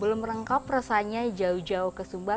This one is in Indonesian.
belum lengkap rasanya jauh jauh ke sumba